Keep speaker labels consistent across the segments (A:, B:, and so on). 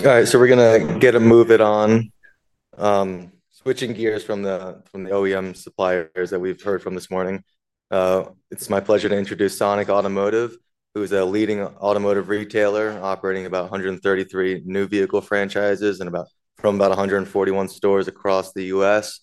A: All right, so we're going to get a move it on. Switching gears from the OEM suppliers that we've heard from this morning. It's my pleasure to introduce Sonic Automotive, who is a leading automotive retailer operating about 133 new vehicle franchises from about 141 stores across the U.S.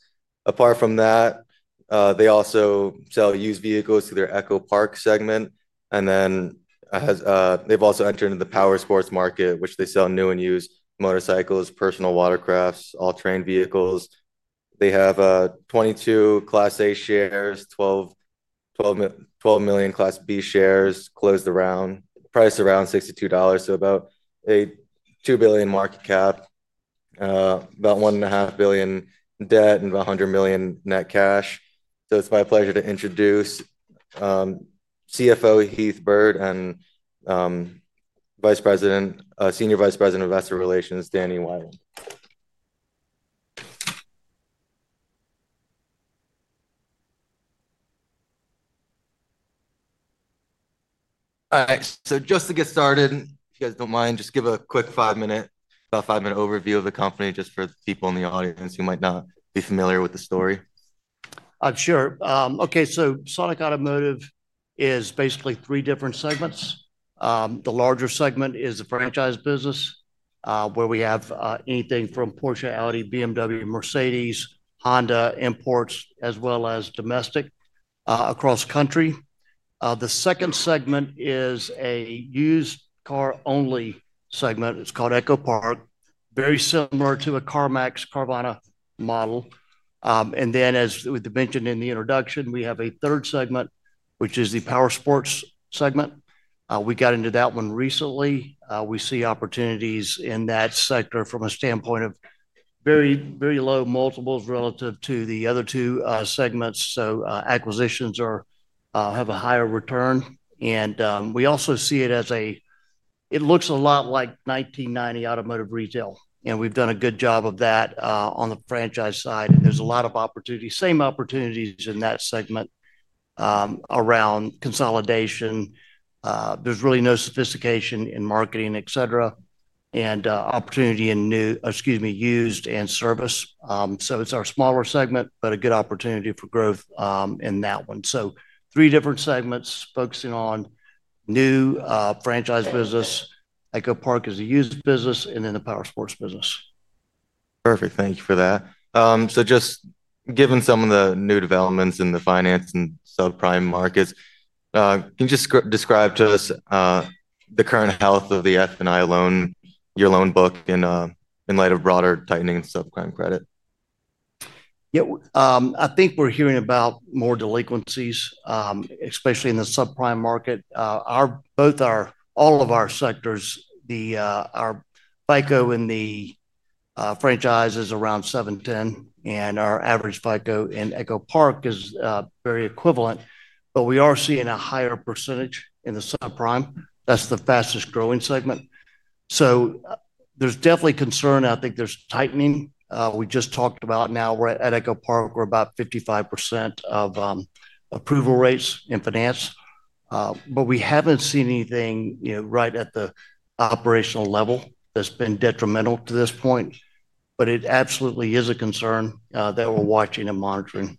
A: Apart from that. They also sell used vehicles through their EchoPark segment. And then. They've also entered into the Powersports market, which they sell new and used motorcycles, personal watercrafts, all-terrain vehicles. They have 22 Class A shares, 12.12 million Class B shares, closed around price around $62, so about a $2 billion market cap. About $1.5 billion debt, and about $100 million net cash. So it's my pleasure to introduce. CFO Heath Byrd and. Senior Vice President of Investor Relations, Danny Wieland. All right, so just to get started, if you guys do not mind, just give a quick five-minute, about five-minute overview of the company just for the people in the audience who might not be familiar with the story.
B: Sure. Okay, so Sonic Automotive is basically three different segments. The larger segment is the franchise business, where we have anything from Porsche, Audi, BMW, Mercedes-Benz, Honda, imports, as well as domestic across country. The second segment is a used car-only segment. It's called EchoPark, very similar to a CarMax, Carvana model. And then, as we mentioned in the introduction, we have a third segment, which is the Powersports segment. We got into that one recently. We see opportunities in that sector from a standpoint of very, very low multiples relative to the other two segments, so acquisitions have a higher return. We also see it as a—it looks a lot like 1990 automotive retail. We've done a good job of that on the franchise side, and there's a lot of opportunities, same opportunities in that segment around consolidation. There's really no sophistication in marketing, etc., and opportunity in new—excuse me—used and service. It's our smaller segment, but a good opportunity for growth in that one. Three different segments focusing on new franchise business, EchoPark is a used business, and then the Powersports business.
A: Perfect. Thank you for that. Just given some of the new developments in the finance and subprime markets, can you just describe to us the current health of the F&I loan, your loan book, in light of broader tightening in subprime credit?
B: Yeah, I think we're hearing about more delinquencies. Especially in the subprime market. Both our—all of our sectors, our FICO in the franchise is around 710, and our average FICO in EchoPark is very equivalent. But we are seeing a higher percentage in the subprime. That's the fastest growing segment. There is definitely concern. I think there is tightening. We just talked about now we're at EchoPark, we're about 55% of approval rates in finance. We haven't seen anything right at the operational level that's been detrimental to this point. It absolutely is a concern that we're watching and monitoring.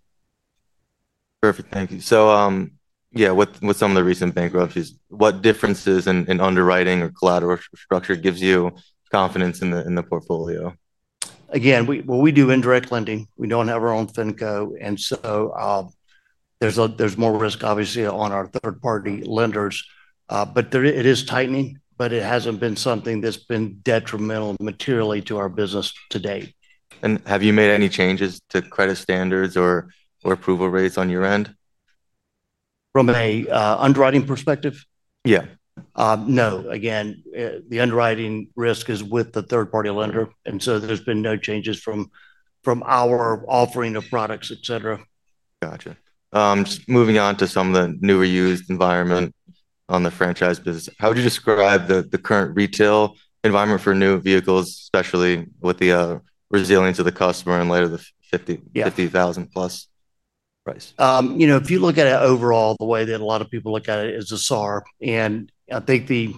A: Perfect. Thank you. Yeah, with some of the recent bankruptcies, what differences in underwriting or collateral structure gives you confidence in the portfolio?
B: Again, we do indirect lending. We do not have our own FINCO. There is more risk, obviously, on our third-party lenders. It is tightening, but it has not been something that has been detrimental materially to our business to date.
A: Have you made any changes to credit standards or approval rates on your end?
B: From an underwriting perspective?
A: Yeah.
B: No. Again, the underwriting risk is with the third-party lender. There have been no changes from our offering of products, etc.
A: Gotcha. Moving on to some of the newer used environment on the franchise business, how would you describe the current retail environment for new vehicles, especially with the resilience of the customer and later the $50,000+ price?
B: If you look at it overall, the way that a lot of people look at it is a SAAR. I think the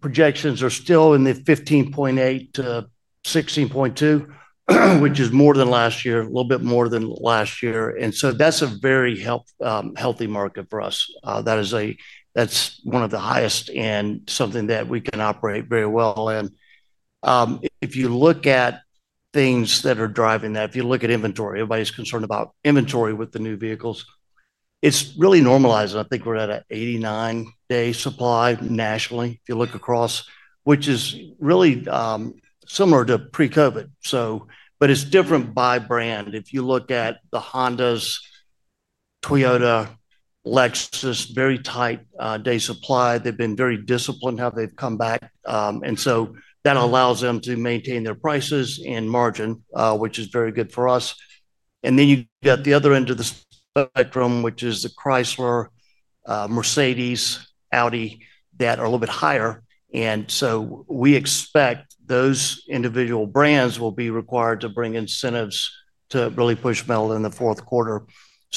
B: projections are still in the 15.8-16.2, which is more than last year, a little bit more than last year. That is a very healthy market for us. That is one of the highest and something that we can operate very well in. If you look at things that are driving that, if you look at inventory, everybody is concerned about inventory with the new vehicles. It is really normalized. I think we are at an 89-day supply nationally, if you look across, which is really similar to pre-COVID. It is different by brand. If you look at the Hondas, Toyota, Lexus, very tight day supply, they have been very disciplined how they have come back. That allows them to maintain their prices and margin, which is very good for us. You get the other end of the spectrum, which is the Chrysler, Mercedes-Benz, Audi that are a little bit higher. We expect those individual brands will be required to bring incentives to really push metal in the fourth quarter.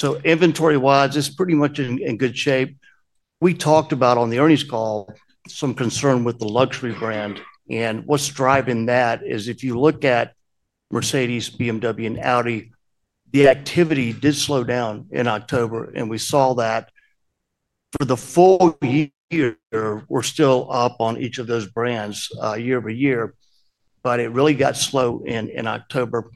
B: Inventory-wise, it is pretty much in good shape. We talked about on the earnings call some concern with the luxury brand. What is driving that is if you look at Mercedes-Benz, BMW, and Audi, the activity did slow down in October. We saw that. For the full year, we are still up on each of those brands year over year. It really got slow in October.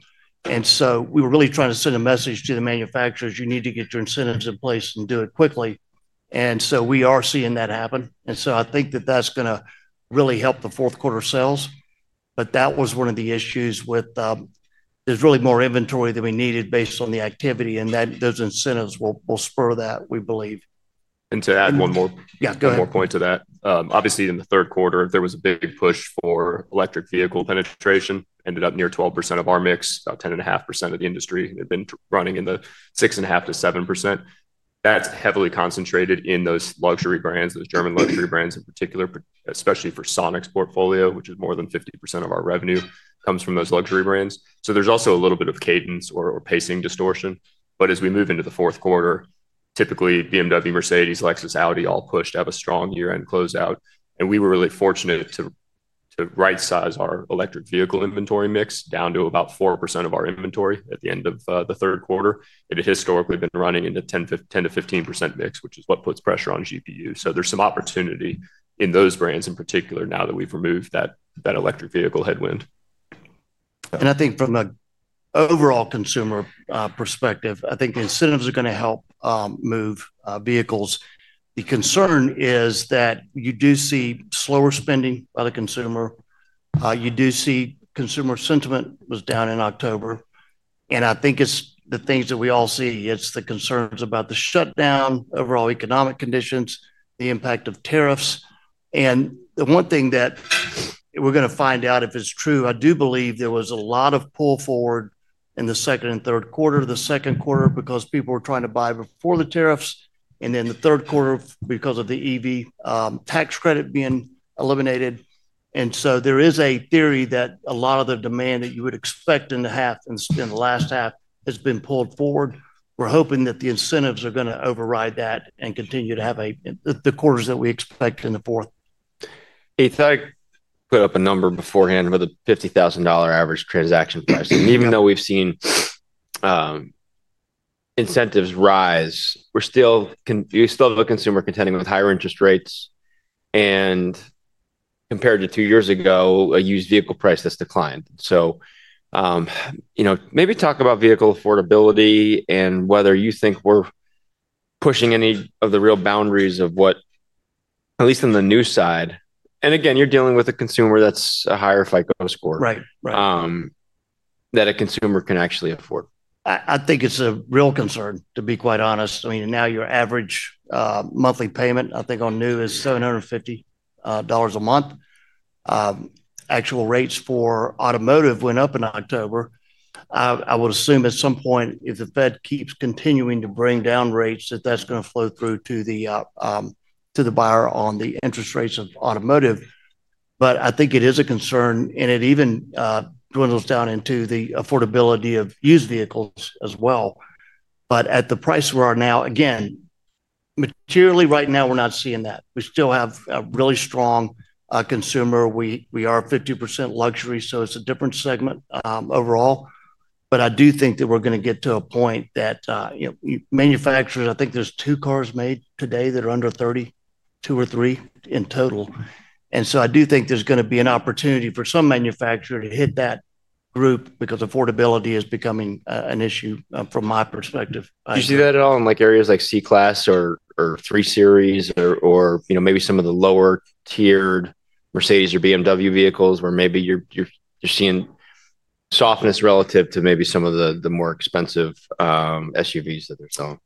B: We were really trying to send a message to the manufacturers, "You need to get your incentives in place and do it quickly." We are seeing that happen. I think that is going to really help the fourth quarter sales. That was one of the issues with there is really more inventory than we needed based on the activity. Those incentives will spur that, we believe.
C: To add one more.
B: Yeah, go ahead.
C: Point to that. Obviously, in the third quarter, there was a big push for electric vehicle penetration. Ended up near 12% of our mix, about 10.5% of the industry had been running in the 6.5%-7% range. That's heavily concentrated in those luxury brands, those German luxury brands in particular, especially for Sonic's portfolio, which is more than 50% of our revenue comes from those luxury brands. There is also a little bit of cadence or pacing distortion. As we move into the fourth quarter, typically BMW, Mercedes-Benz, Lexus, Audi all push to have a strong year-end closeout. We were really fortunate to right-size our electric vehicle inventory mix down to about 4% of our inventory at the end of the third quarter. It had historically been running in the 10%-15% mix, which is what puts pressure on GPU. There is some opportunity in those brands in particular now that we've removed that electric vehicle headwind.
B: I think from an overall consumer perspective, I think incentives are going to help move vehicles. The concern is that you do see slower spending by the consumer. You do see consumer sentiment was down in October. I think it is the things that we all see. It is the concerns about the shutdown, overall economic conditions, the impact of tariffs. The one thing that we are going to find out if it is true, I do believe there was a lot of pull forward in the second and third quarter, the second quarter, because people were trying to buy before the tariffs, and then the third quarter because of the EV tax credit being eliminated. There is a theory that a lot of the demand that you would expect in the last half has been pulled forward. We are hoping that the incentives are going to override that and continue to have the quarters that we expect in the fourth.
A: Heath, I put up a number beforehand for the $50,000 average transaction price. Even though we've seen incentives rise, we're still a consumer contending with higher interest rates. Compared to two years ago, a used vehicle price has declined. Maybe talk about vehicle affordability and whether you think we're pushing any of the real boundaries of what, at least on the new side. Again, you're dealing with a consumer that's a higher FICO score.
B: Right.
A: That a consumer can actually afford.
B: I think it's a real concern, to be quite honest. I mean, now your average monthly payment, I think on new is $750 a month. Actual rates for automotive went up in October. I would assume at some point, if the Fed keeps continuing to bring down rates, that that's going to flow through to the buyer on the interest rates of automotive. I think it is a concern, and it even dwindles down into the affordability of used vehicles as well. At the price we are now, again, materially, right now, we're not seeing that. We still have a really strong consumer. We are 50% luxury, so it's a different segment overall. I do think that we're going to get to a point that manufacturers, I think there's two cars made today that are under $30,000, two or three in total. I do think there's going to be an opportunity for some manufacturer to hit that group because affordability is becoming an issue from my perspective.
A: Do you see that at all in areas like C-Class or 3 Series or maybe some of the lower-tiered Mercedes-Benz or BMW vehicles where maybe you're seeing softness relative to maybe some of the more expensive SUVs that they're selling?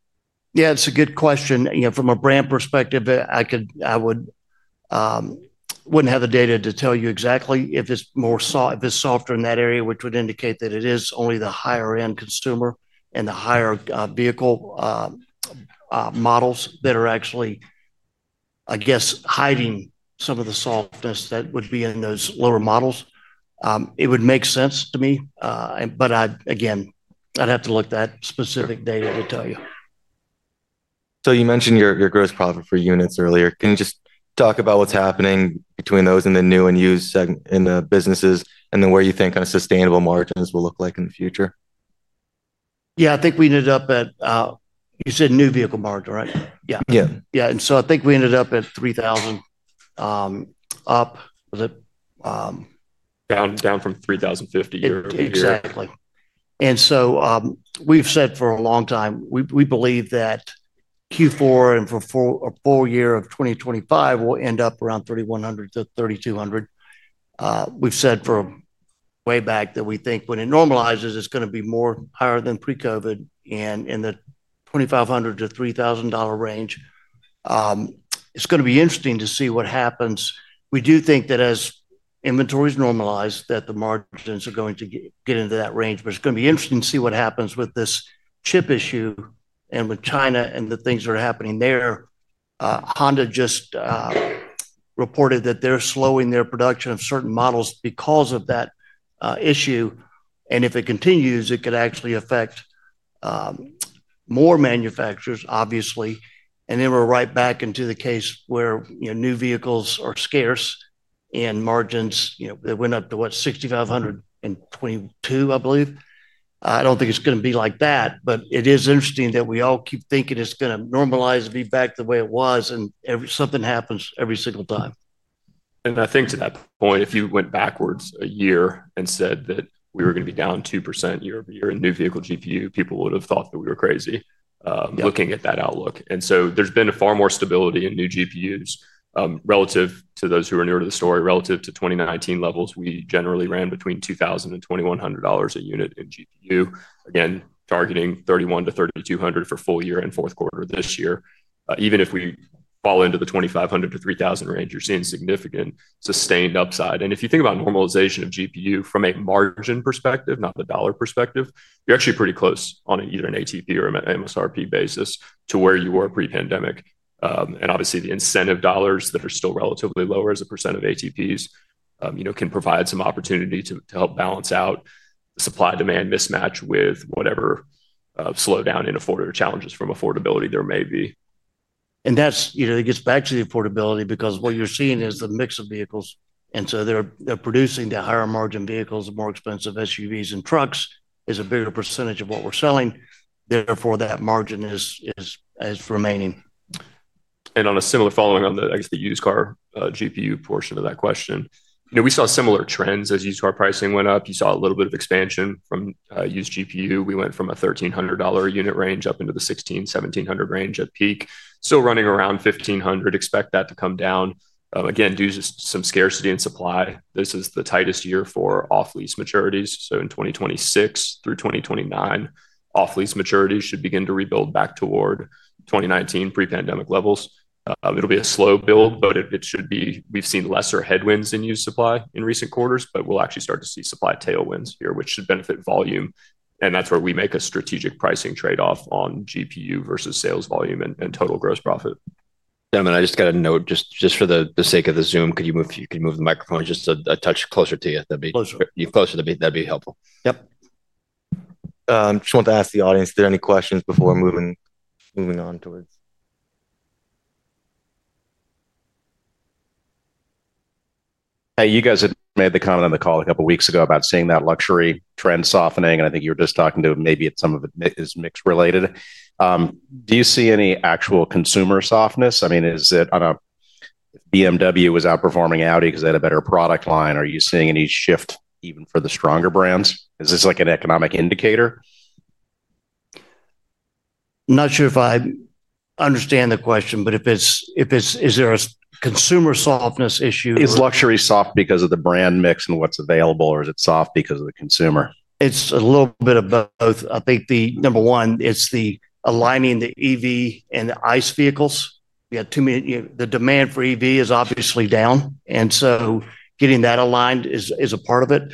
B: Yeah, it's a good question. From a brand perspective, I wouldn't have the data to tell you exactly if it's softer in that area, which would indicate that it is only the higher-end consumer and the higher vehicle models that are actually, I guess, hiding some of the softness that would be in those lower models. It would make sense to me. Again, I'd have to look at that specific data to tell you.
A: You mentioned your gross profit per unit earlier. Can you just talk about what's happening between those in the new and used businesses and then where you think kind of sustainable margins will look like in the future?
B: Yeah, I think we ended up at, you said new vehicle margin, right? Yeah. Yeah. And so I think we ended up at $3,000. Up.
C: Down from $3,050 a year.
B: Exactly. We have said for a long time, we believe that Q4 and for a full year of 2025, we will end up around $3,100-$3,200. We have said from way back that we think when it normalizes, it is going to be higher than pre-COVID and in the $2,500-$3,000 range. It is going to be interesting to see what happens. We do think that as inventories normalize, the margins are going to get into that range. It is going to be interesting to see what happens with this chip issue and with China and the things that are happening there. Honda just reported that they are slowing their production of certain models because of that issue. If it continues, it could actually affect more manufacturers, obviously. We are right back into the case where new vehicles are scarce and margins, they went up to what, $6,522, I believe. I do not think it is going to be like that, but it is interesting that we all keep thinking it is going to normalize and be back the way it was. Something happens every single time.
C: I think to that point, if you went backwards a year and said that we were going to be down 2% year over year in new vehicle GPU, people would have thought that we were crazy. Looking at that outlook. There has been far more stability in new GPUs relative to those who are newer to the story. Relative to 2019 levels, we generally ran between $2,000-$2,100 a unit in GPU. Again, targeting $3,100-$3,200 for full year and fourth quarter this year. Even if we fall into the $2,500-$3,000 range, you are seeing significant sustained upside. If you think about normalization of GPU from a margin perspective, not the dollar perspective, you are actually pretty close on either an ATP or an MSRP basis to where you were pre-pandemic. Obviously, the incentive dollars that are still relatively lower as a percent of ATPs can provide some opportunity to help balance out the supply-demand mismatch with whatever slowdown in affordability or challenges from affordability there may be.
B: That gets back to the affordability because what you're seeing is the mix of vehicles. They're producing the higher margin vehicles, more expensive SUVs and trucks is a bigger percentage of what we're selling. Therefore, that margin is remaining.
C: On a similar following on the, I guess, the used car GPU portion of that question, we saw similar trends as used car pricing went up. You saw a little bit of expansion from used GPU. We went from a $1,300 unit range up into the $1,600-$1,700 range at peak, still running around $1,500. Expect that to come down. Again, due to some scarcity in supply, this is the tightest year for off-lease maturities. In 2026 through 2029, off-lease maturities should begin to rebuild back toward 2019 pre-pandemic levels. It will be a slow build, but it should be. We have seen lesser headwinds in used supply in recent quarters, but we will actually start to see supply tailwinds here, which should benefit volume. That is where we make a strategic pricing trade-off on GPU versus sales volume and total gross profit.
A: Yeah, I mean, I just got a note just for the sake of the Zoom. Could you move the microphone just a touch closer to you? That'd be closer to me. That'd be helpful.
B: Yep.
A: I just wanted to ask the audience, did any questions before moving on towards?
D: Hey, you guys had made the comment on the call a couple of weeks ago about seeing that luxury trend softening. I think you were just talking to maybe some of it is mix related. Do you see any actual consumer softness? I mean, is it on a BMW was outperforming Audi because they had a better product line? Are you seeing any shift even for the stronger brands? Is this like an economic indicator?
B: Not sure if I understand the question, but is there a consumer softness issue?
D: Is luxury soft because of the brand mix and what's available, or is it soft because of the consumer?
B: It's a little bit of both. I think the number one, it's the aligning the EV and the ICE vehicles. The demand for EV is obviously down. Getting that aligned is a part of it.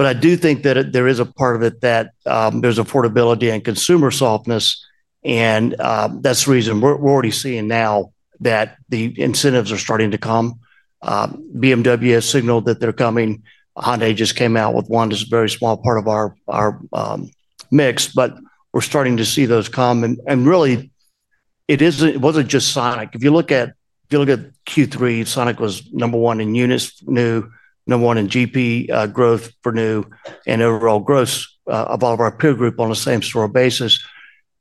B: I do think that there is a part of it that there's affordability and consumer softness. That's the reason we're already seeing now that the incentives are starting to come. BMW has signaled that they're coming. Hyundai just came out with one that's a very small part of our mix, but we're starting to see those come. Really, it wasn't just Sonic. If you look at Q3, Sonic was number one in units new, number one in GP growth for new, and overall growth of all of our peer group on the same store basis.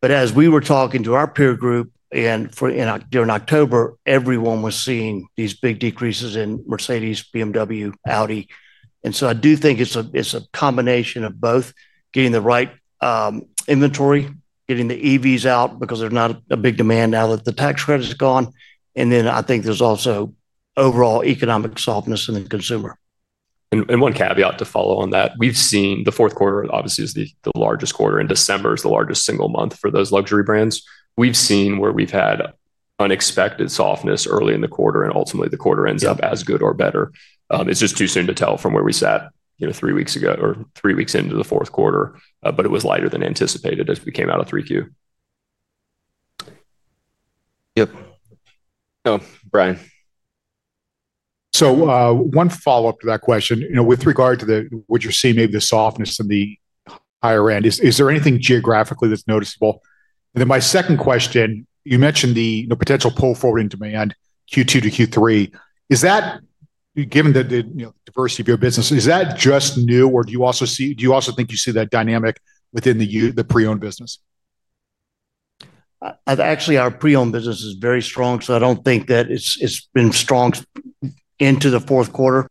B: As we were talking to our peer group during October, everyone was seeing these big decreases in Mercedes-Benz, BMW, Audi. I do think it's a combination of both getting the right inventory, getting the EVs out because there's not a big demand now that the tax credit is gone. I think there's also overall economic softness in the consumer.
D: One caveat to follow on that. We've seen the fourth quarter, obviously, is the largest quarter. December is the largest single month for those luxury brands. We've seen where we've had unexpected softness early in the quarter, and ultimately the quarter ends up as good or better. It's just too soon to tell from where we sat three weeks ago or three weeks into the fourth quarter, but it was lighter than anticipated as we came out of 3Q.
B: Yep.
A: Oh, Brian.
E: One follow-up to that question. With regard to what you're seeing, maybe the softness in the higher end, is there anything geographically that's noticeable? My second question, you mentioned the potential pull forward in demand Q2 to Q3. Given the diversity of your business, is that just new, or do you also think you see that dynamic within the pre-owned business?
B: Actually, our pre-owned business is very strong, so I don't think that it's been strong into the fourth quarter.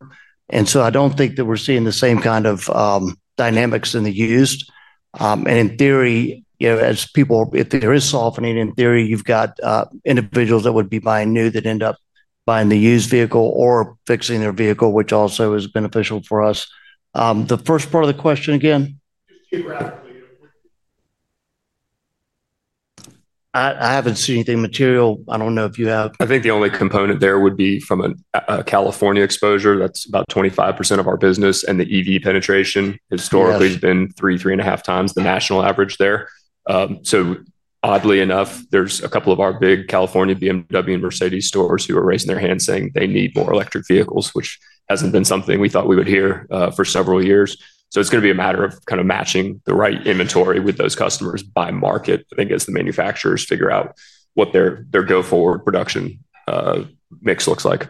B: I don't think that we're seeing the same kind of dynamics in the used. In theory, if there is softening, you've got individuals that would be buying new that end up buying the used vehicle or fixing their vehicle, which also is beneficial for us. The first part of the question again?
A: Just geographically.
B: I haven't seen anything material. I don't know if you have.
C: I think the only component there would be from a California exposure. That's about 25% of our business. And the EV penetration historically has been three, three and a half times the national average there. Oddly enough, there's a couple of our big California, BMW, and Mercedes-Benz stores who are raising their hands saying they need more electric vehicles, which hasn't been something we thought we would hear for several years. It's going to be a matter of kind of matching the right inventory with those customers by market, I think, as the manufacturers figure out what their go-forward production mix looks like.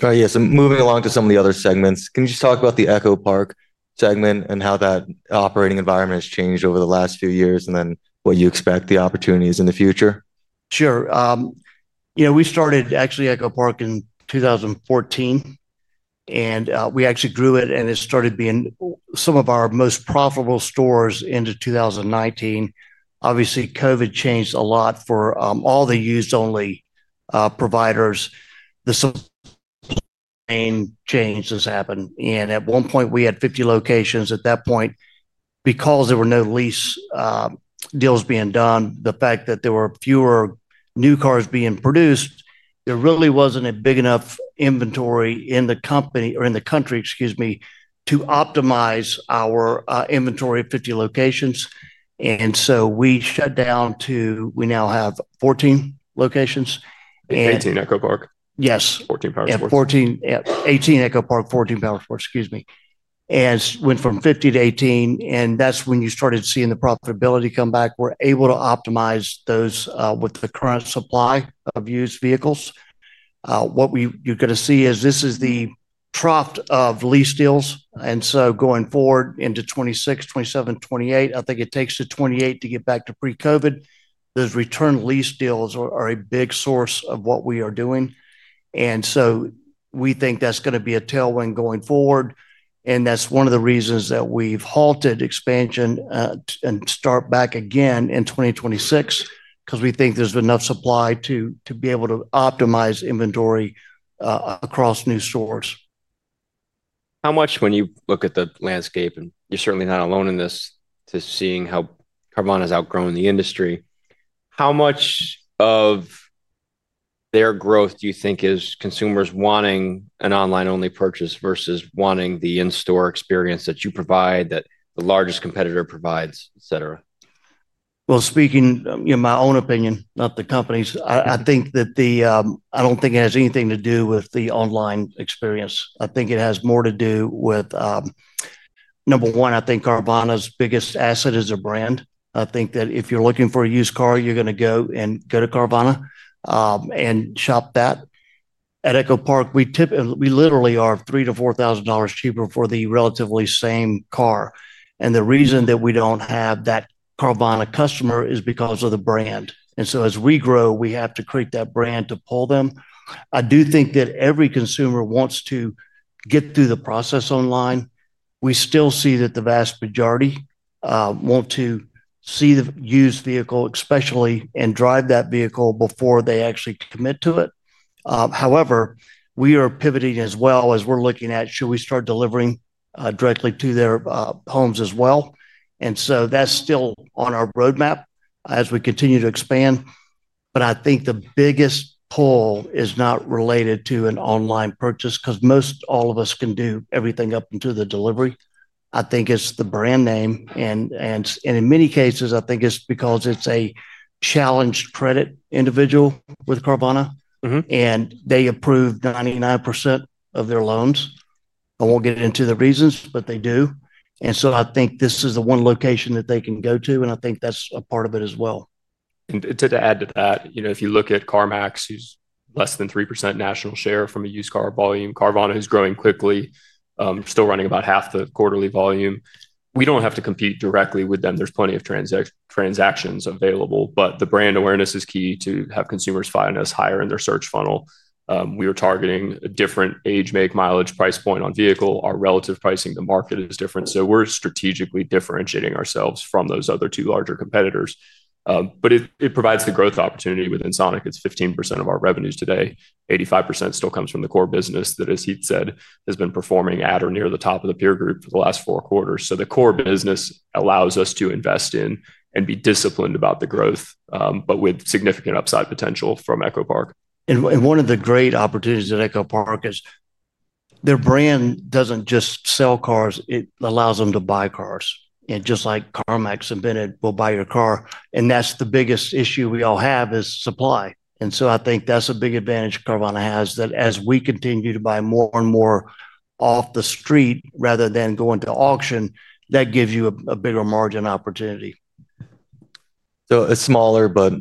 F: Yeah, so moving along to some of the other segments, can you just talk about the EchoPark segment and how that operating environment has changed over the last few years and then what you expect the opportunities in the future?
B: Sure. We started actually EchoPark in 2014. And we actually grew it, and it started being some of our most profitable stores into 2019. Obviously, COVID changed a lot for all the used-only providers. The sustained change has happened. And at one point, we had 50 locations. At that point, because there were no lease deals being done, the fact that there were fewer new cars being produced, there really was not a big enough inventory in the company or in the country, excuse me, to optimize our inventory of 50 locations. And so we shut down to we now have 14 locations.
C: 18 EchoPark?
B: Yes.
C: 14 Powersports.
B: Yeah, 18 EchoPark, 14 Powersports, excuse me. And went from 50 to 18. That's when you started seeing the profitability come back. We're able to optimize those with the current supply of used vehicles. What you're going to see is this is the trough of lease deals. Going forward into 2026, 2027, 2028, I think it takes to 2028 to get back to pre-COVID. Those return lease deals are a big source of what we are doing. We think that's going to be a tailwind going forward. That's one of the reasons that we've halted expansion and start back again in 2026 because we think there's enough supply to be able to optimize inventory across new stores.
F: How much, when you look at the landscape, and you're certainly not alone in this, to seeing how Carvana has outgrown the industry, how much of their growth do you think is consumers wanting an online-only purchase versus wanting the in-store experience that you provide, that the largest competitor provides, etc.?
B: Speaking in my own opinion, not the company's, I think that I do not think it has anything to do with the online experience. I think it has more to do with, number one, I think Carvana's biggest asset is a brand. I think that if you're looking for a used car, you're going to go and go to Carvana and shop that. At EchoPark, we literally are $3,000-$4,000 cheaper for the relatively same car. The reason that we do not have that Carvana customer is because of the brand. As we grow, we have to create that brand to pull them. I do think that every consumer wants to get through the process online. We still see that the vast majority want to see the used vehicle, especially, and drive that vehicle before they actually commit to it. However, we are pivoting as well as we're looking at, should we start delivering directly to their homes as well? That is still on our roadmap as we continue to expand. I think the biggest pull is not related to an online purchase because most all of us can do everything up until the delivery. I think it's the brand name. In many cases, I think it's because it's a challenged credit individual with Carvana. They approve 99% of their loans. I will not get into the reasons, but they do. I think this is the one location that they can go to. I think that's a part of it as well.
C: To add to that, if you look at CarMax, who's less than 3% national share from a used car volume, Carvana is growing quickly, still running about half the quarterly volume. We do not have to compete directly with them. There are plenty of transactions available. The brand awareness is key to have consumers find us higher in their search funnel. We were targeting a different age, make, mileage, price point on vehicle. Our relative pricing, the market is different. We are strategically differentiating ourselves from those other two larger competitors. It provides the growth opportunity within Sonic. It is 15% of our revenues today. 85% still comes from the core business that, as Heath said, has been performing at or near the top of the peer group for the last four quarters. The core business allows us to invest in and be disciplined about the growth, with significant upside potential from EchoPark.
B: One of the great opportunities at EchoPark is their brand does not just sell cars. It allows them to buy cars. Just like CarMax and Carvana will buy your car. That is the biggest issue we all have, which is supply. I think that is a big advantage Carvana has, that as we continue to buy more and more off the street rather than going to auction, that gives you a bigger margin opportunity.
A: A smaller but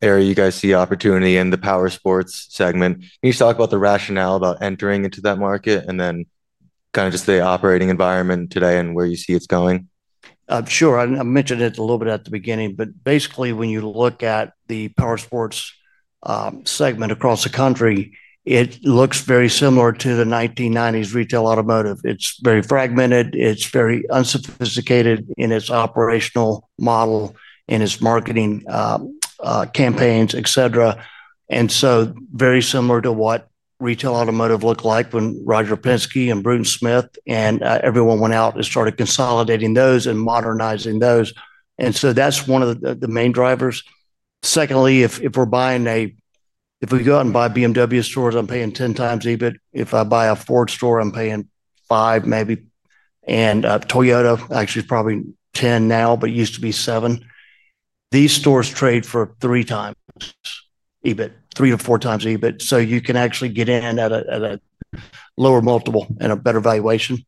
A: area you guys see opportunity in the Powersports segment. Can you just talk about the rationale about entering into that market and then kind of just the operating environment today and where you see it's going?
B: Sure. I mentioned it a little bit at the beginning, but basically, when you look at the Powersports segment across the country, it looks very similar to the 1990s retail automotive. It is very fragmented. It is very unsophisticated in its operational model and its marketing campaigns, etc. Very similar to what retail automotive looked like when Roger Penske and O. Bruton Smith and everyone went out and started consolidating those and modernizing those. That is one of the main drivers. Secondly, if we are buying a, if we go out and buy BMW stores, I am paying 10x EBIT. If I buy a Ford store, I am paying five, maybe. Toyota actually is probably 10x now, but used to be 7x. These stores trade for 3x EBIT, 3x or 4x EBIT. You can actually get in at a lower multiple and a better valuation.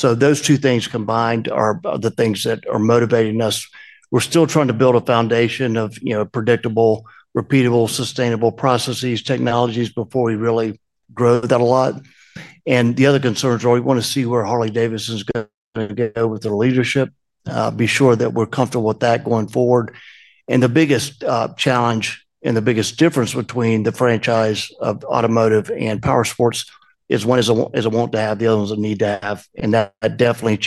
B: Those two things combined are the things that are motivating us. We are still trying to build a foundation of predictable, repeatable, sustainable processes, technologies before we really grow that a lot. The other concerns are we want to see where Harley-Davidson is going to go with the leadership, be sure that we are comfortable with that going forward. The biggest challenge and the biggest difference between the franchise of automotive and Powersports is one is a want to have, the other one is a need to have. That definitely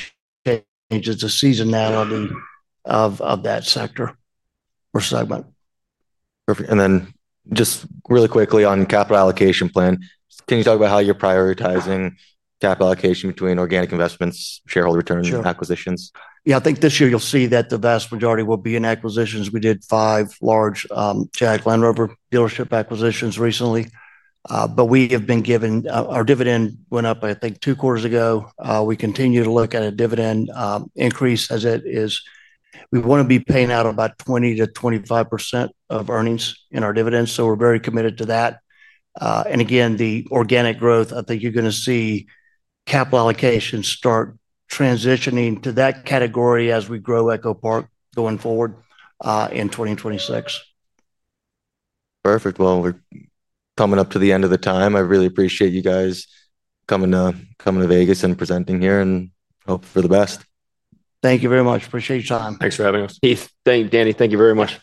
B: changes the seasonality of that sector or segment.
A: Perfect. And then just really quickly on capital allocation plan, can you talk about how you're prioritizing capital allocation between organic investments, shareholder returns, and acquisitions?
B: Yeah, I think this year you'll see that the vast majority will be in acquisitions. We did five large Chad Lynn River dealership acquisitions recently. We have been given our dividend went up, I think, two quarters ago. We continue to look at a dividend increase as it is. We want to be paying out about 20%-25% of earnings in our dividends. We are very committed to that. Again, the organic growth, I think you're going to see capital allocations start transitioning to that category as we grow EchoPark going forward. In 2026.
A: Perfect. We are coming up to the end of the time. I really appreciate you guys coming to Las Vegas and presenting here and hope for the best.
B: Thank you very much. Appreciate your time.
C: Thanks for having us.
A: Heath, thank you. Danny, thank you very much.